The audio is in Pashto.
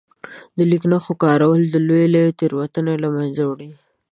د لیک نښو کارول لويې لويې تېروتنې له منځه وړي.